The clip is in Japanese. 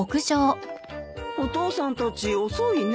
お父さんたち遅いね。